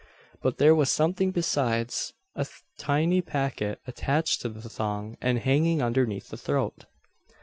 But there was something besides a tiny packet attached to the thong, and hanging underneath the throat!